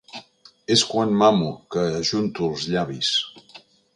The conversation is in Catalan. És quan mamo que ajunto els llavis.